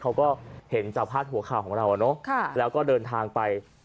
เขาก็เห็นจากพาดหัวข่าวของเราอ่ะเนอะแล้วก็เดินทางไป